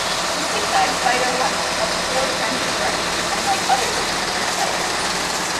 The six-eyed spider has a poor sense of direction, unlike other species of spiders.